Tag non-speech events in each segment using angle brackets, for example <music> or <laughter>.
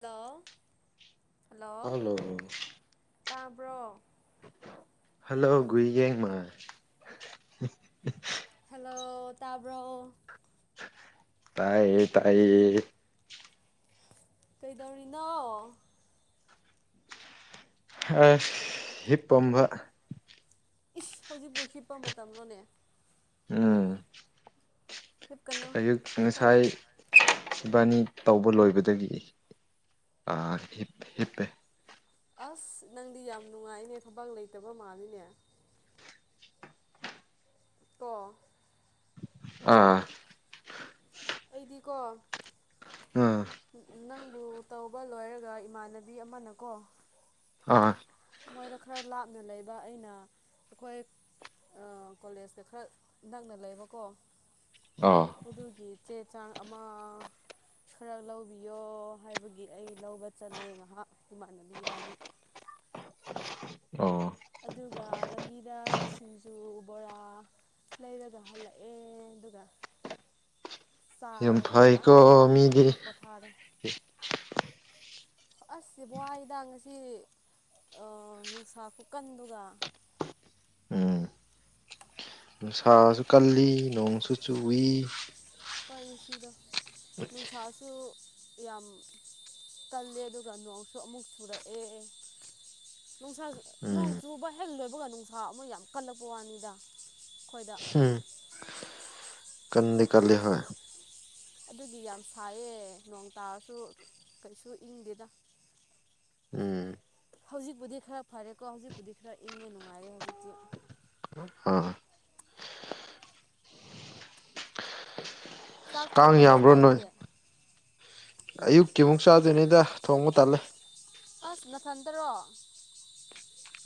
ꯗ hello ꯇꯥꯕ꯭ꯔꯣ hello ꯨꯏꯒꯃ ꯍꯂ ꯇꯥꯕ꯭ꯔꯣ ꯇꯥꯏꯌꯦ ꯇꯥꯏꯌꯦ ꯀꯩꯗꯧꯔꯤꯅꯣ ꯑ ꯍꯤꯞꯄꯝꯕ ꯏꯁ ꯍꯧꯖꯤꯛꯄꯥꯎ ꯍꯤꯞꯄ ꯃꯇꯝꯗꯣꯅꯦ ꯑ ꯍꯤꯞꯀꯅꯨ ꯑꯌꯨꯛ ꯉꯁꯥꯏ ꯍꯣꯔꯦꯟ ꯏꯕꯥꯅꯤ ꯇꯧꯕ ꯂꯣꯏꯕꯗꯒꯤ ꯍꯤꯞꯄꯦ ꯑꯁ ꯅꯪꯗꯤ ꯌꯥꯝ ꯅꯨꯡꯉꯥꯏꯅꯦ ꯊꯕꯛ ꯂꯩꯇꯕ ꯃꯥꯜꯂꯤꯅꯦ ꯇꯣ ꯑꯥ ꯑꯩꯗꯤꯀꯣ ꯑꯥ ꯅꯪꯕꯨ ꯇꯧꯕ ꯂꯣꯏꯔꯒ ꯏꯃꯥꯟꯅꯕꯤ ꯑꯃꯅꯀꯣ ꯑ ꯃꯣꯏꯗ ꯈꯔ ꯂꯥꯞꯅ ꯂꯩꯕ ꯑꯩꯅ ꯑꯩꯈꯣꯏ ꯀꯣꯂꯦꯖꯇ ꯈꯔ ꯅꯛꯅ ꯂꯩꯕꯀꯣ ꯑꯣ ꯑꯗꯨꯒꯤ ꯆꯦ ꯆꯥꯡ ꯑꯃ ꯈꯔ ꯂꯧꯕꯤꯌꯣ ꯍꯥꯏꯕꯒꯤ ꯑꯩ ꯂꯧꯕ ꯆꯠꯂꯦ ꯉꯥꯏꯍꯥꯛ ꯏꯃꯥꯟꯅꯕꯤ ꯏꯕꯥꯅꯤ ꯑꯣ ꯑꯗꯨꯒ ꯂꯝꯕꯤꯗ ꯁꯤꯡꯖꯨ ꯕꯣꯔꯥ ꯂꯩꯔꯒ ꯍꯜꯂꯛꯑꯦ ꯑꯗꯨꯒ ꯝ ꯆꯥꯔꯒ ꯐꯩꯀꯣ ꯃꯤꯗꯤ ꯑꯁꯁ ꯕꯣꯕꯥꯏꯗ ꯉꯁꯤ ꯅꯨꯡꯁꯥ ꯀꯨꯀꯟꯗꯨꯒ ꯎꯝ ꯁꯥꯁꯨ ꯀꯜꯂꯤ ꯅꯣꯡꯁꯨ ꯆꯨꯏ ꯁꯤꯗꯣ ꯅꯨꯡꯁꯥꯁꯨ ꯌꯥꯝ ꯀꯜꯂꯦ ꯑꯗꯨꯒ ꯅꯣꯡꯁꯨ ꯑꯃꯨꯛ ꯆꯨꯔꯛꯑꯦ ꯅꯨꯡꯁꯥ ꯅꯣꯡ ꯎꯝ ꯆꯨꯕ ꯍꯦꯛ ꯂꯣꯏꯕꯒ ꯅꯨꯡꯁꯥ ꯑꯃ ꯌꯥꯝ ꯀꯜꯂꯛꯄ ꯋꯥꯅꯤꯗ ꯈꯣꯏꯗ ꯀꯥꯟꯗꯤ ꯀꯂꯂꯤ ꯍꯥꯏ ꯑꯗꯨꯗꯤ ꯌꯥꯝ ꯐꯥꯏꯌꯦ ꯅꯣꯡ ꯇꯥꯔꯁꯨ ꯀꯩꯁꯨ ꯏꯪꯗꯦꯗ <inaudible> ꯎꯝ ꯍꯧꯖꯤꯛꯄꯨꯗꯤ ꯈꯔ ꯐꯔꯦꯀꯣ ꯍꯧꯖꯤꯛꯄꯨꯗꯤ ꯈꯔ ꯏꯪꯉꯦ ꯅꯨꯡꯉꯥꯏꯔꯦ ꯍꯧꯖꯤꯛꯇꯤ ꯑꯥ ꯑꯁ ꯆꯥꯛ ꯀꯥꯡ ꯊꯣꯡꯉꯕꯣ ꯅꯣꯏ ꯑꯩꯗꯤ ꯑꯌꯨꯛꯀꯤꯃꯨꯛ ꯆꯥꯗꯣꯏꯅꯤꯗ ꯊꯣꯡꯃꯨꯛ ꯇꯜꯂꯦ ꯑꯁ ꯃꯊꯟꯇꯔꯣ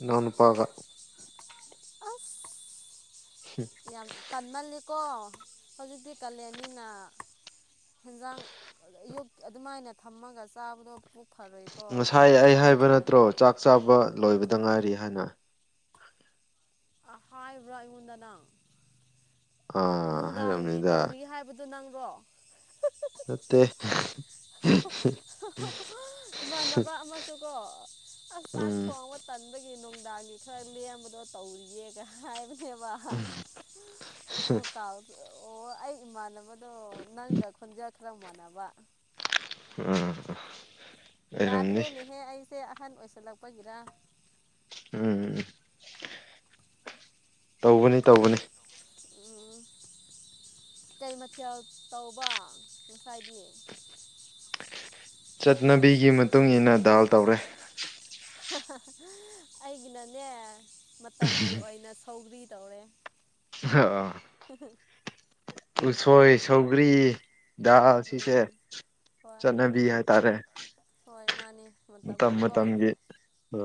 ꯅꯅ ꯄꯥꯒ ꯑ ꯌꯥꯝ ꯇꯟꯃꯜꯂ ꯀꯣ ꯍꯧꯖꯤꯛꯇꯤ ꯀꯥꯂꯦꯟꯅꯤꯅ ꯍꯦꯟꯖꯥꯡ ꯑꯌꯨꯛ ꯑꯗꯨꯃꯥꯏꯅ ꯊꯝꯃꯒ ꯆꯥꯕꯗꯣ ꯐꯔꯣꯏꯀꯣ ꯉꯁꯥꯏ ꯑꯩ ꯍꯛꯆꯥꯡ ꯍꯥꯏꯕ ꯐꯔꯣꯏ ꯅꯠꯇ꯭ꯔꯣ ꯆꯥꯛ ꯆꯥꯕ ꯂꯣꯏꯕꯗ ꯉꯥꯏꯔꯤ ꯍꯥꯏꯅ ꯍꯥꯏꯕ꯭ꯔꯥ ꯑꯩꯉꯣꯟꯗ ꯅꯪ ꯑꯥ ꯍꯥꯏꯔꯛꯝꯅꯤꯗ ꯑꯗꯨ ꯅꯪꯕꯔꯣ ꯃꯠꯇꯦ ꯏꯃꯥꯟꯅꯕ ꯑꯃꯁꯨ ꯀꯣ ꯑꯁ ꯆꯥꯛ ꯎꯝ ꯊꯣꯡꯕ ꯇꯟꯕꯒꯤ ꯅꯨꯡ ꯅꯨꯡꯗꯥꯡꯒꯤ ꯈꯔ ꯂꯦꯝꯕꯗꯣ ꯇꯧꯔꯤꯌꯦꯦꯒ ꯍꯥꯏꯕꯅꯦꯕ ꯑꯣ ꯀꯥꯎꯗ ꯑꯣ ꯑꯩ ꯏꯃꯥꯟꯅꯕꯗꯣ ꯅꯪꯒ ꯈꯣꯟꯖꯥ ꯈꯔ ꯃꯥꯟꯅꯕ ꯑ ꯌꯥꯗ꯭ꯔꯦꯅꯦꯍꯦ ꯑꯩꯁꯦ ꯑꯍꯟ ꯑꯣꯏꯁꯜꯂꯛꯄꯒꯤꯔ ꯎꯝ ꯇꯧꯕꯅꯤ ꯇꯧꯕꯅꯤ ꯎ ꯀꯩ ꯃꯊꯦꯜ ꯇꯧꯕ ꯉꯁꯥꯏꯗꯤ ꯆꯠꯅꯕꯤꯒꯤ ꯃꯇꯨꯡ ꯏ ꯃꯇꯨꯡꯏꯟꯅ ꯗꯥꯜ ꯇꯧꯔꯦ ꯑꯩꯒꯤꯅꯅꯦ ꯃꯇꯝꯒꯤ ꯑꯣꯏꯅ ꯁꯧꯒ꯭ꯔꯤ ꯇꯧꯔꯦ ꯍ ꯑ ꯍꯝ ꯍꯝ ꯎꯁꯣꯏ ꯁꯧꯒ꯭ꯔꯤ ꯎ ꯁꯤꯁꯦ ꯎꯝ ꯍꯣꯏ ꯆꯠꯅꯕꯤ ꯍꯥꯏ ꯇꯥꯔꯦ ꯍꯣꯏ ꯃꯥꯅꯦ ꯃꯇꯝꯒꯤꯀꯣ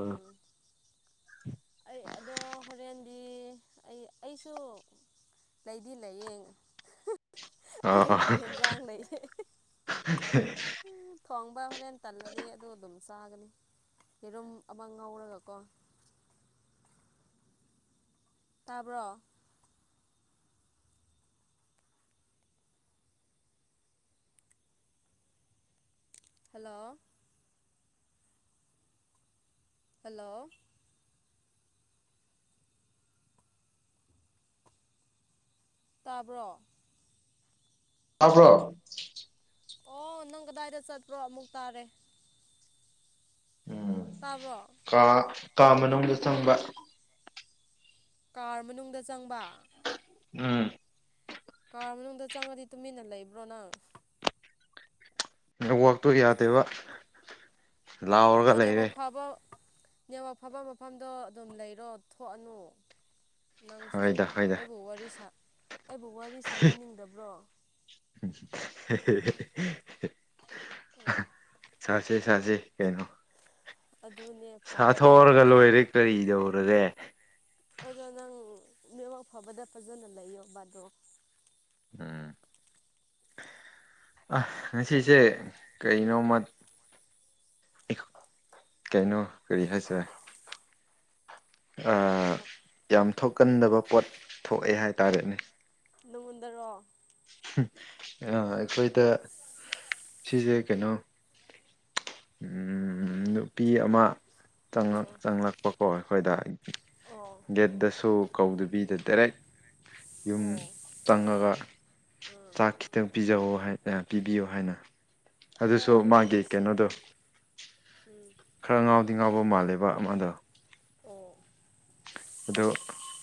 ꯎꯝ ꯑꯩ ꯑꯗꯣ ꯍꯣꯔꯦꯟ ꯑꯩ ꯑꯩꯁꯨ ꯂꯩꯗꯤ ꯂꯩꯌꯦꯡ ꯑꯥ ꯑꯌꯨꯀꯤ ꯌꯦꯟꯖꯥꯡ ꯂꯩꯌꯦ <unintelligible> <unintelligible> ꯈ꯭ꯣꯡꯕ ꯍꯣꯔꯦꯟ ꯇꯜꯂꯗꯤ ꯑꯗꯨ ꯑꯗꯨꯝ ꯆꯥꯒꯅꯤ ꯌꯦꯔꯨꯝ ꯑꯃ ꯉꯧꯔꯒꯀꯣ <unintelligible> <unintelligible> ꯇꯥꯕ꯭ꯔꯣ ꯍꯜꯂꯣ ꯍꯜꯂꯣ ꯇꯥꯕ꯭ꯔꯣ ꯍꯥꯈ꯭ꯔꯣ ꯑꯣ ꯅꯪ ꯀꯗꯥꯏꯗ ꯆꯠꯄ꯭ꯔꯣ ꯑꯃꯨꯛ ꯇꯥꯔꯦ ꯎꯝ ꯇꯥꯕ꯭ꯔꯣ ꯀꯥ ꯀꯥ ꯃꯅꯨꯡꯗ ꯆꯪꯕ ꯀꯥꯔ ꯃꯅꯨꯡꯗ ꯆꯪꯕ ꯎꯝ ꯔ ꯃꯅꯨꯡꯗ ꯆꯪꯉꯗꯤ ꯇꯨꯃꯤꯟꯅ ꯂꯩꯕ꯭ꯔꯣ ꯅꯪ ꯅꯋꯥꯛꯇꯨ ꯌꯥꯗꯦꯕ ꯂꯥꯎꯔꯒ ꯂꯩꯔꯦ ꯅꯦꯋꯥꯛ ꯐꯐꯝ ꯃꯐꯝꯗꯣ ꯑꯗꯨꯝ ꯂꯩꯔꯣ ꯊꯣꯛꯑꯅꯨ ꯅꯪ ꯁꯤꯁꯨ ꯍꯣꯏꯗ ꯍꯣꯏꯗ ꯑꯩꯕꯨ ꯑꯩꯕꯨ ꯋꯥꯔꯤ ꯁꯥꯟꯅꯅꯤꯡꯗꯕ꯭ꯔꯣ ꯎꯝ ꯁꯥꯁꯦ ꯁꯥꯁꯦ ꯀꯩꯅꯣ ꯑꯗꯨꯅꯦ ꯐꯕꯗ ꯁꯥꯊꯣꯛꯑꯔꯒ ꯂꯩꯌꯣꯕ ꯂꯣꯏꯔꯦ ꯀꯔꯤꯗꯧꯔꯒꯦ ꯑꯗꯣ ꯅꯪ ꯅꯦꯠꯋꯥꯛ ꯐꯕꯗ ꯐꯖꯅ ꯂꯩꯌꯣ ꯕꯥꯗꯣ ꯎꯝ ꯑ ꯉ ꯁꯤꯁꯦ ꯎꯝ ꯀꯩꯅꯣꯃ ꯀꯩꯅꯣ ꯀꯔꯤ ꯍꯥꯏꯁꯔꯦ ꯍꯥꯏꯌꯣ ꯌꯥꯝ ꯊꯣꯛꯀꯟꯗꯕ ꯄꯣꯠ ꯊꯣꯛꯑꯦ ꯍꯥꯏꯇꯥꯥꯔꯦꯅꯦ ꯅꯅꯨꯡꯉꯣꯟꯟꯗꯔꯣ ꯑꯩꯈꯣꯏꯗ ꯁꯤꯁꯦ ꯀꯩꯅꯣ ꯅꯨꯄꯤ ꯑꯃ ꯑꯥ ꯆꯪꯂꯛꯄ ꯍꯣꯏ ꯑꯩꯈꯣꯏꯗ ꯑꯣ ꯒꯦꯠꯇꯁꯨ ꯀꯧꯗꯨꯕꯤꯗ ꯗꯥꯏꯔꯦꯛ ꯌꯨꯝ ꯑꯣ ꯆꯪꯉꯒ ꯑꯥ ꯆꯥꯛ ꯈꯤꯇꯪ ꯄꯤꯖꯧ ꯍꯥꯏ ꯄꯤꯕꯤꯌꯣ ꯍꯥꯏꯅ ꯑꯗꯨꯁꯨ ꯑꯣ ꯌꯥꯝ ꯃꯥꯒꯤ ꯅꯨꯡꯁꯤꯌꯦ ꯀꯩꯅꯣꯗꯣ ꯎꯝ ꯈꯔ ꯉꯥꯎꯗꯤ ꯉꯥꯎꯕ ꯃꯥꯜꯂꯦꯕ ꯑꯃ ꯑꯗꯣ ꯑꯣ ꯑꯗꯣ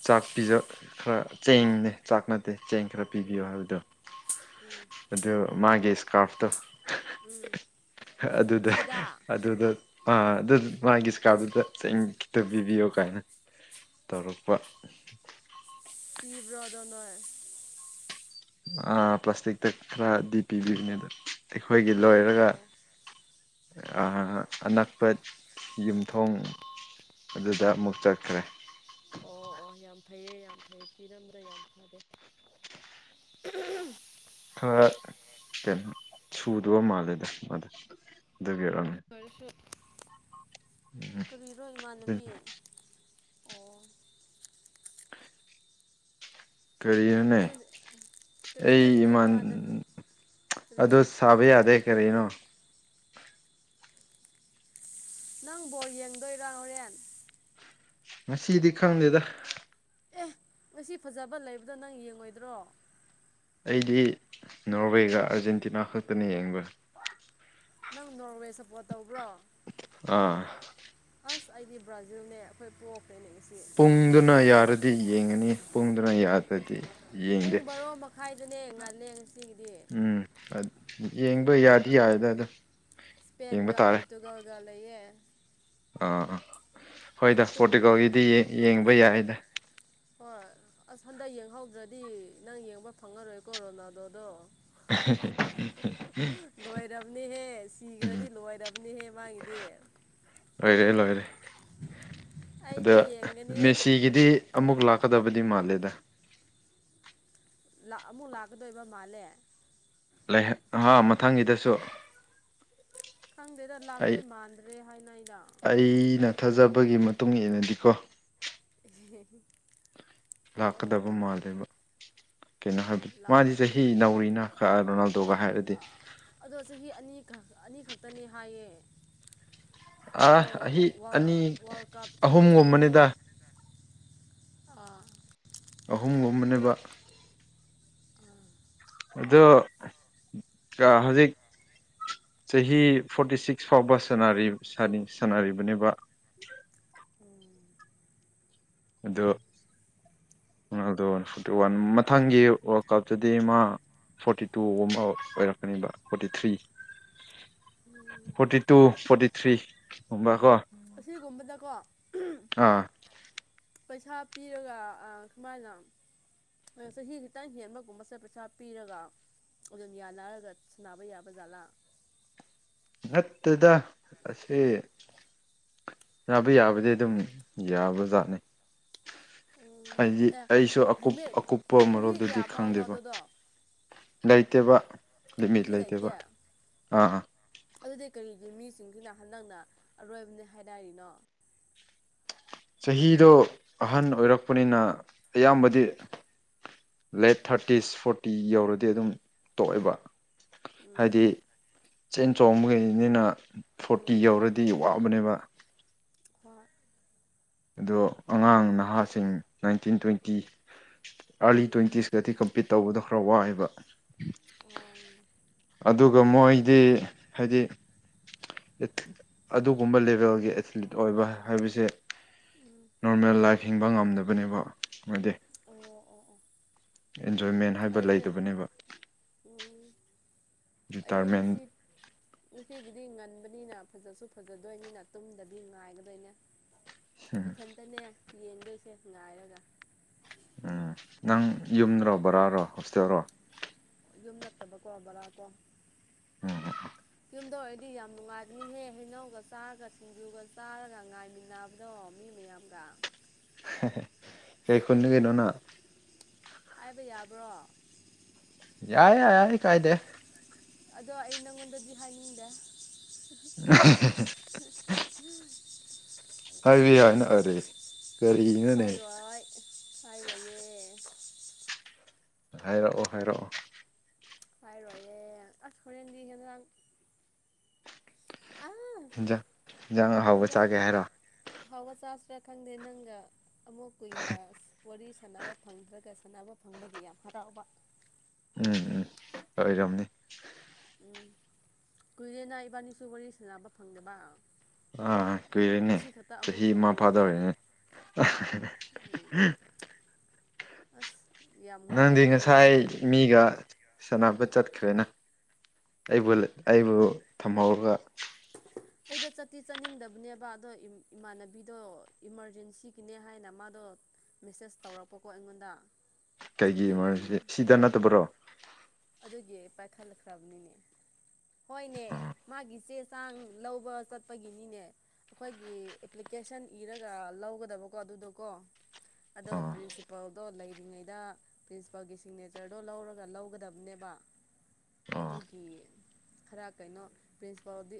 ꯆꯥꯛ ꯄꯤꯖ ꯈꯔ ꯆꯦꯡꯅꯦ ꯆꯥꯛ ꯅꯠꯇꯦ ꯆꯦꯡ ꯈꯔ ꯄꯤꯕꯤꯌꯣ ꯎꯝ ꯍꯥꯏꯕꯗꯣ ꯎꯝ ꯑꯗꯨ ꯃꯥꯒꯤ ꯏꯁꯀꯥꯔꯐꯇꯣ ꯎꯝ ꯑꯗꯨꯗ ꯐꯤꯗꯥ ꯑꯗꯨꯗ ꯑꯥ ꯑꯗꯨ ꯃꯥꯒꯤ ꯏꯁꯀꯥꯔꯗꯨꯗ ꯆꯦꯡ ꯈꯤꯇ ꯄꯤꯕꯤꯌꯣ ꯀꯥꯏꯅ ꯇꯧꯔꯨꯛꯄ ꯇꯤꯕ꯭ꯔꯗꯅ ꯑ ꯄ꯭ꯂꯥꯁꯇꯤꯛꯇ ꯈꯔꯗꯤ ꯄꯤꯕꯤꯕꯅꯤ ꯑꯗ ꯑꯩꯈꯣꯏꯒꯤ ꯂꯣꯏꯔꯒ ꯑꯣ ꯑꯅꯛꯄ ꯌꯨꯝꯊꯣꯡ ꯑꯗꯨꯗ ꯑꯃꯨꯛ ꯆꯠꯈ꯭ꯔꯦ ꯑꯣ ꯑꯣ ꯌꯥꯝ ꯐꯩꯌꯦꯦ ꯌꯥꯝ ꯐꯩꯌꯦ ꯄꯤꯔꯝꯗ ꯌꯥꯝ ꯐꯔꯦ <unintelligible> ꯈꯔ ꯀꯩꯅꯣ ꯁꯨꯗꯕ ꯃꯥꯜꯂꯦꯗ ꯃꯥꯗ ꯑꯗꯨꯕꯤꯔꯝꯅꯤ ꯑꯗꯨ ꯑꯣꯏꯔꯁꯨ ꯀꯔꯤꯔꯣ ꯎꯝ ꯏꯃꯥꯟꯅꯕꯤ ꯑꯣ ꯀꯔꯤꯅꯅꯦ ꯅꯪ ꯀꯔꯤꯁꯨ ꯑꯩ ꯅꯠꯇꯦꯗ ꯏꯃꯥꯟ ꯏꯃꯥꯟꯅꯕꯤ ꯀꯔꯤ ꯑꯗꯨ ꯁꯥꯕ ꯌꯥꯗꯦ ꯀꯔꯤꯅꯣ <unintelligible> ꯅꯪꯕꯨꯣ ꯌꯦꯡꯗꯣꯏꯔꯣ ꯍꯣꯔꯦꯟ ꯉꯁꯤꯗꯤ ꯈꯪꯗꯦꯗ ꯑꯦ ꯉꯁꯤ ꯐꯖꯕ ꯂꯩꯕꯗꯣ ꯅꯪ ꯌꯦꯡꯉꯣꯏꯗ꯭ꯔꯣ ꯑꯩꯗꯤ ꯅꯣꯔꯋꯦꯒ ꯑꯥꯔꯖꯦꯟꯇꯤꯅꯥ ꯈꯛꯇꯅ ꯌꯦꯡꯕ ꯅꯪ ꯅꯣꯡꯔꯦ ꯁꯞꯄꯣꯔꯠ ꯇꯧꯕ꯭ꯔꯣ ꯑꯥ ꯑꯁ ꯑꯩꯗꯤ ꯕ꯭ꯔꯥꯖꯤꯜꯅꯦ ꯑꯩꯈꯣꯏ ꯄꯣꯛ ꯄꯨꯡꯗꯨꯅ ꯌꯥꯔꯗꯤ ꯌꯦꯡꯉꯅꯤ ꯄꯨꯡꯗꯨꯅ ꯌꯥꯗꯗꯤ ꯄꯨꯡ ꯌꯦꯡꯗꯦ ꯕꯥꯔꯣ ꯃꯈꯥꯏꯗꯅꯦ ꯉꯜꯂꯦ ꯉꯁꯤꯒꯤꯗꯤ ꯎꯝ ꯌꯦꯡꯕ ꯌꯥꯗꯤ ꯌꯥꯗꯗ ꯏꯁꯄꯦꯟꯟꯒ ꯄꯨꯔꯇꯨꯒꯥꯜꯒ ꯂꯩꯑꯌꯦ ꯑꯥ ꯑꯥ ꯍꯣꯏꯗ ꯄꯣꯔꯇꯨꯀꯜꯒꯤꯗꯤ ꯌꯦꯡꯕ ꯌꯥꯏꯗ ꯍꯣꯏ ꯑꯁ ꯍꯟꯗꯛ ꯌꯦꯡꯍꯧꯗ꯭ꯔꯗꯤ ꯅꯪ ꯌꯦꯡꯕ ꯐꯪꯉꯔꯣꯏꯀꯣ ꯔꯣꯅꯥꯗꯣꯗꯣ ꯂꯣꯏꯔꯕꯅꯤꯍꯦ ꯁꯤꯈ꯭ꯔꯗꯤ ꯎꯝ ꯂꯣꯏꯔꯕꯅꯤꯍꯦ ꯃꯥꯒꯤꯗꯤ ꯍ ꯂꯣꯏꯔꯦ ꯂꯣꯏꯔꯦ ꯑꯗ ꯑꯩꯗꯤ ꯌꯦꯡꯒꯅꯤ ꯃꯦꯁꯤꯒꯤꯗꯤ ꯑꯃꯨꯛ ꯂꯥꯛ ꯀꯗꯕꯗꯤ ꯃꯂꯦꯗ ꯑꯃꯨꯛ ꯂꯥꯛꯀꯗꯣꯏꯕ ꯃꯥꯜꯂꯦ ꯂꯩ ꯍꯥ ꯃꯊꯪꯒꯤꯗꯁꯨ ꯈꯪꯗꯦꯗ ꯑꯩ ꯂꯥꯛꯇꯣꯏ ꯃꯥꯟꯗ꯭ꯔꯦ ꯍꯥꯏꯅ ꯑꯩꯗ ꯒꯤ ꯃꯇꯨꯡ ꯏꯟꯅꯗꯤꯀꯣ ꯍ ꯂꯥꯛꯀꯗꯕ ꯃꯥꯜꯂꯦꯕ ꯀꯩꯅꯣ ꯑꯣ ꯍꯥꯏꯕ ꯂꯥ ꯃꯥꯗꯤ ꯆꯍꯤ ꯅꯧꯔꯤꯅ ꯔꯣꯅꯥꯜꯗꯣꯒ ꯍꯥꯏꯔꯗꯤ ꯑꯥ ꯑꯗꯣ ꯆꯍꯤ ꯑꯅꯤꯈꯛ ꯑꯅꯤꯈꯛꯇꯅꯤ ꯍꯥꯏꯌꯦ ꯑ ꯑꯗꯣ ꯑ ꯋꯥꯔꯜ ꯑꯅꯤ ꯋꯥꯔꯜ ꯀꯞꯇꯤ ꯑꯍꯨꯝꯒꯨꯝꯕꯅꯤꯗ ꯑ ꯑꯍꯨꯝꯒꯨꯝꯕꯅꯦꯕ ꯑꯣ ꯍꯧꯖꯤꯛ ꯆꯍꯤ ꯐꯣꯔꯇꯤ ꯁꯤꯛꯁ ꯐꯥꯎꯕ ꯁ ꯁꯥꯟꯅꯔꯤꯕꯅꯦꯕ <unintelligible> ꯑꯗꯣ ꯀꯩꯅꫭꯗꯥ ꯐꫭꯔꯇꯤ ꯋꯥꯟ ꯃꯊꯪꯒꯤ ꯋꯥꯔꯜ ꯀꯞꯇꯗꯤ ꯃꯥ ꯐꯣꯔꯇꯤ ꯇꯨꯒꯨꯝꯕ ꯑꯣꯏꯔꯛꯀꯅꯦꯕ forty three <inaudible> forty two forty three ꯒꯨꯝꯕ ꯀꯣ ꯑꯁꯤꯒꯨꯝꯕꯗꯀꯣ ꯑꯥ ꯄꯩꯁꯥ ꯄꯤꯔꯒ ꯑꯥ ꯈꯃꯥꯏꯅ ꯑ ꯆꯍꯤ ꯈꯤꯇꯪ ꯍꯦꯟꯕꯒꯨꯝꯕꯁꯦ ꯄꯩꯁꯥ ꯄꯤꯔꯒ ꯑꯗꯨꯝ ꯌꯥꯟꯅꯔꯒ ꯁꯅꯥꯕ ꯌꯥꯕ ꯖꯥꯠꯂꯥ ꯅꯠꯇꯦꯗ ꯑꯁꯦ ꯌꯥꯕ ꯌꯥꯕꯗꯤ ꯑꯗꯨꯝ ꯌꯥꯕꯖꯥꯠꯅꯤ ꯎꯝ ꯍꯥꯏꯗꯤ ꯑꯦ ꯑꯩꯁꯨ ꯑꯀꯨꯞ ꯂꯤꯃꯤꯠ ꯑꯀꯨꯞꯄ ꯆꯍꯤ ꯃꯔꯣꯜꯗꯗꯤ ꯀꯌꯥ ꯐꯥꯎꯅꯣ ꯈꯪꯗꯦꯕ ꯑꯗꯨꯗꯣ ꯂꯩꯇꯦꯕ ꯂꯤꯃꯤꯠ ꯆꯍꯤ ꯂꯩꯇꯦꯕ ꯂꯩꯇꯦ ꯑꯥ ꯑꯥ ꯒꯤ ꯃꯤꯁꯤꯡꯁꯤꯅ ꯍꯟꯗꯛꯅ ꯑꯔꯣꯏꯕꯅꯤ ꯍꯥꯏꯅꯥꯔꯤꯅꯣ ꯆꯍꯤꯗꯣ ꯑꯍꯟ ꯑꯣꯏꯔꯛꯄꯅꯤꯅ ꯑꯌꯥꯝꯕꯗꯤ ꯂꯦꯠ ꯊꯥꯔꯇꯤꯁ ꯐꯣꯔꯇꯤ ꯌꯧꯔꯗꯤ ꯑꯗꯨꯝ ꯇꯣꯛꯑꯦꯕ ꯎꯝ ꯍꯥꯏꯗꯤ ꯆꯦꯟ ꯆꯣꯡꯕꯒꯤꯅꯤꯅ ꯐꯣꯔꯇꯤ ꯎꯝ ꯌꯧꯔꯗꯤ ꯋꯥꯕꯅꯦꯕ ꯍꫭꯏ ꯑꯗꯣ ꯑꯉꯥꯡ ꯅꯍꯥꯁꯤꯡ ꯅꯥꯏꯟꯇꯤꯟ ꯇ꯭ꯋꯦꯟꯇꯤ ꯑꯥꯔꯂꯤ ꯎꯝ ꯇ꯭ꯋꯦꯟꯇꯤꯁꯀꯗꯤ ꯀꯝꯄꯤꯠ ꯇꯧꯕꯗꯣ ꯈꯔ ꯋꯥꯑꯦꯕ ꯑꯣ ꯑꯗꯨꯒ ꯃꯣꯏꯗꯤ ꯍꯥꯏꯗꯤ ꯑꯗꯨꯒꯨꯝꯕ ꯂꯦꯚꯦꯜꯒꯤ ꯑꯦꯊꯂꯤꯠ ꯑꯣꯏꯕ ꯍꯥꯏꯕꯁꯦ ꯎꯝ ꯅꯣꯔꯃꯦꯜ ꯂꯥꯏꯐ ꯍꯤꯡꯕ ꯉꯝꯗꯕꯅꯦꯕ ꯃꯣꯏꯗꯤ ꯑꯣ ꯑꯣ ꯑꯣ ꯑꯦꯟꯖꯣꯏꯃꯦꯟ ꯍꯥꯏꯕ ꯑꯗꯨꯗꯤ ꯂꯩꯇꯕꯅꯦꯕ ꯎꯝ ꯑꯩꯗꯤ ꯔꯤꯇꯥꯌꯔꯃꯦꯟ ꯉꯁꯤ ꯉꯁꯤꯒꯤꯗꯤ ꯉꯟ ꯕꯅꯤꯅ ꯐꯖꯁꯨ ꯐꯖꯗꯣꯏꯅꯤꯅ ꯇꯨꯝꯗꯕꯤ ꯉꯥꯏꯒꯗꯣꯏꯅꯦ ꯎꯝ ꯏꯊꯟꯇꯅꯦ ꯌꯦꯡꯗꫭꯏꯁꯦ ꯉꯥꯏꯔꯒ ꯎꯝ ꯅꯪ ꯌꯨꯝꯗꯔꯣ ꯕꯣꯔꯥꯔꯣ ꯍꯣꯁꯇꯦꯜꯔꯣ ꯌꯨꯝ ꯅꯠꯇꯕꯀꯣ ꯕꯔꯥ ꯀꯣ ꯎꯝ ꯌꯨꯝꯗ ꯑꯣꯏꯔꯗꯤ ꯌꯥꯝ ꯅꯨꯡꯉꯥꯏꯕꯅꯤꯍꯦ ꯍꯩꯅꯧꯒ ꯆꯥꯔꯒ ꯁꯤꯡꯖꯨꯒ ꯆꯥꯔꯒ ꯉꯥꯏꯃꯤꯟꯅꯕꯗꯣ ꯃꯤ ꯃꯤꯌꯥꯝꯒ ꯀꯩ ꯈꯨꯟꯗꯒꯤꯅꯣ ꯅꯪ ꯍꯥꯏꯕ ꯌꯥꯕ꯭ꯔꯣ ꯌꯥꯏ ꯌꯥꯏ ꯀꯥꯏꯗꯦ ꯑꯗꯣ ꯑꯩ ꯅꯪꯉꯣꯟꯗꯗꯤ ꯍꯥꯏꯅꯤꯡꯗꯦ <inaudible> <inaudible> ꯍꯥꯏꯕ ꯍꯥꯏꯅ ꯑꯔ ꯍꯥꯏꯔꯣꯏ ꯍꯥꯏꯔꯣꯏꯌꯦ ꯍꯥꯏꯔꯛꯑꯣ ꯍꯥꯏꯔꯛꯑꯣ ꯍꯥꯏꯔꯣꯌꯦ ꯑꯁ ꯍꯣꯔꯦꯟꯗꯤ ꯍꯦꯟꯁꯥꯡ ꯍꯦꯟꯖꯥꯡ ꯌꯦꯟꯖꯥꯡ ꯑꯍꯥꯎꯕ ꯍꯦꯟꯖꯥꯡ ꯆꯥꯒꯦ ꯍꯥꯏꯔꯣ ꯍꯥꯎꯒ ꯆꯥꯁꯤꯔꯥ ꯈꯪꯗꯦ ꯅꯪꯒ ꯑꯃꯨꯛ ꯀꯨꯏꯅ ꯋꯥꯔꯤ ꯁꯥꯟꯅꯕ ꯐꯪꯗ꯭ꯔꯒ ꯀꯥꯟꯅꯕ ꯐꯪꯕꯒꯤ ꯌꯥꯝ ꯍꯔꯥꯎꯕ ꯎꯝ ꯎꯝ ꯑꯣꯏꯔꯝꯅꯤ ꯎꯝ ꯀꯨꯏꯔꯦꯅ ꯏꯕꯥꯅꯤꯁꯨ ꯋꯥꯔꯤ ꯁꯥꯟꯅꯕ ꯐꯪꯗꯕ ꯑꯥ ꯀꯨꯏꯔꯦꯅꯦ ꯉꯁꯤ ꯈꯛꯇ ꯑꯃꯨꯛ ꯆꯍꯤ ꯑꯃ ꯐꯪꯕꯅꯤꯅꯦ ꯐꯥꯗꯧꯔꯤꯅꯦ ꯎꯝ ꯑꯁ ꯌꯥꯝ ꯑ ꯅꯪꯗꯤ ꯉꯥꯛꯑꯦ ꯑꯩꯗꯤ ꯉꯁꯥꯏ ꯅꯪ ꯃꯤꯒ ꯁꯥꯟꯅꯕ ꯆꯠ ꯆꯠꯈ꯭ꯔꯦꯅ ꯑꯩꯕꯨ ꯑꯩꯕꯨ ꯊꯝꯍꯧꯔꯒ <inaudible> ꯑꯩꯗꯣ ꯆꯠꯇꯤ ꯆꯠꯅꯤꯡꯗꯕꯅꯦꯕ ꯑꯗꯣ ꯏꯃꯥꯟꯅꯕꯤꯗꯣ ꯏꯃꯥꯔꯖꯦꯟꯁꯤꯒꯤꯅꯦ ꯍꯥꯏꯅ ꯃꯥꯗꯣ ꯃꯦꯁꯦꯁ ꯇꯧꯔꯛꯄꯀꯣ ꯑꯩꯉꯣꯟꯗ ꯀꯩꯒꯤ ꯏ ꯑꯗꯨꯒꯤ ꯃꯔ ꯁꯤꯗ ꯅꯠꯇꯕ꯭ꯔꯣ ꯑꯗꯨꯒꯤ ꯄꯥꯏꯈꯠꯂꯛꯈ꯭ꯔꯕꯅꯤꯅꯦ ꯍꯣꯏꯅꯦ ꯑꯥ ꯃꯥꯒꯤꯁꯦ ꯆꯥꯡ ꯂꯧꯕ ꯆꯠꯄꯒꯤꯅꯤꯅꯦ ꯑꯩꯈꯣꯏꯒꯤ ꯑꯦꯄ꯭ꯂꯤꯀꯦꯁꯟ ꯏꯔꯒ ꯂꯧꯒꯗꯕꯀꯣ ꯑꯗꯨꯗꯨ ꯀꯣ ꯑꯣꯁꯤ ꯑꯣ ꯂꯩꯔꯤꯉꯩꯗ ꯄ꯭ꯔꯤꯟꯁꯤꯄꯥꯜꯒꯤ ꯁꯤꯒꯅꯦꯆꯔꯗꯣ ꯂꯧꯔꯒ ꯂꯧꯒꯗꯕꯅꯦꯕ ꯑꯥ ꯑꯗꯨꯒꯤ ꯈꯔ ꯀꯩꯅꯣ ꯄ꯭ꯔꯤꯟꯁꯤꯄꯥꯜꯗꯤ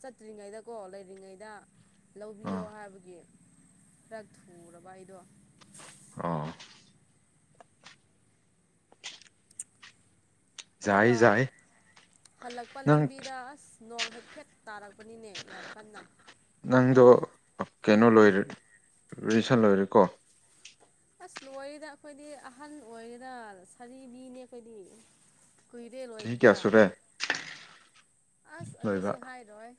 ꯆꯠꯇ꯭ꯔꯤꯉꯩꯗꯀꯣ ꯂꯩꯔꯤꯉꯩꯗ ꯑꯥ ꯂꯧꯕꯤꯌꯣ ꯑꯥ ꯍꯥꯏꯕꯒꯤ ꯈꯔ ꯊꯨꯔꯕ ꯑꯩꯗꯣ ꯑꯣ ꯌꯥꯏ ꯑꯗꯨꯒ ꯌꯥꯏ ꯍꯜꯂꯛꯄ ꯅꯪ ꯂꯝꯕꯤꯗ ꯑꯁ ꯅꯣꯡ ꯍꯦꯛꯐꯦꯠ ꯇꯥꯔꯛꯄꯅꯤꯅꯦ ꯌꯥꯝ ꯀꯟꯅ ꯅꯪꯗꯣ ꯀꯩꯅꯣ ꯂꯣꯏꯔꯦ ꯔꯤꯁꯟ ꯂꯣꯏꯔꯦꯀꯣ ꯑꯁ ꯂꯣꯏꯔꯤꯦꯔ ꯑꯩꯈꯣꯏꯗꯤ ꯑꯍꯜ ꯑꯣꯏꯔꯤꯗ ꯁꯔꯤꯕꯤꯅꯦ ꯑꯩꯈꯣꯏꯗꯤ ꯀꯨꯏꯔꯦꯜ ꯆꯍꯤ ꯑꯣꯏꯈꯤꯕ ꯀꯌꯥ ꯁꯨꯔꯦ ꯑꯁ ꯂꯣꯏꯕ ꯑꯗꯨꯁꯨ ꯍꯥꯏꯔꯣꯏ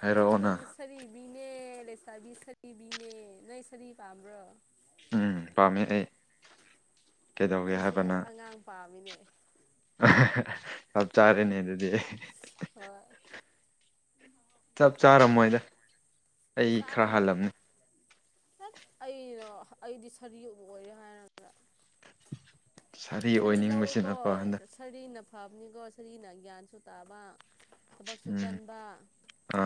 ꯍꯥꯏꯔꯛꯑꯣꯅ ꯀꯣꯏꯗꯤ ꯁꯔꯤꯕꯤꯅꯦ ꯅ ꯁꯔꯤꯐ꯭ꯔꯣ ꯎꯝ ꯄꯥꯝꯃꯦ ꯑꯩ ꯀꯩꯗꯧꯒꯦ ꯑꯩꯁꯨ ꯑꯉꯥꯡ ꯄꯥꯝꯃꯤꯅꯦ ꯑꯞ ꯆꯥꯔꯦ ꯅ ꯑꯗꯨꯤꯗꯤ ꯍꯣꯏ ꯆꯞ ꯆꯥꯔꯝꯃꯣꯏꯗ ꯑꯩ ꯈꯔ ꯆꯥꯔꯝ ꯍꯜꯂꯝꯅꯤ ꯑꯩꯅ ꯑꯩꯗꯤ ꯁꯥꯔꯤꯕꯨ ꯑꯣꯏꯔꯦ ꯍꯥꯏꯔꯗ꯭ꯔ ꯁꯥꯔꯤ ꯑꯣꯏꯅꯤꯡꯕꯕꯁꯤ ꯅꯀꯣ ꯍꯟꯗꯛ ꯁꯥꯔꯤꯅ ꯐꯕꯅꯤꯀꯣ ꯁꯔꯤꯅ ꯒ꯭ꯌꯥꯟꯁꯨ ꯇꯥꯕ ꯊꯕꯛꯁꯨ ꯎꯝ ꯀꯟꯕ ꯑꯥ